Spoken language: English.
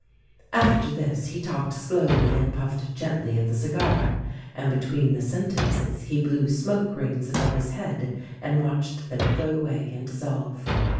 '* After this he talked slowly and puffed gently at the cigar ; and between the sentences he blew smoke rings above his head and watched them float away and dissolve.